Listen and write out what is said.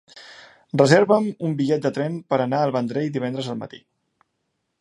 Reserva'm un bitllet de tren per anar al Vendrell divendres al matí.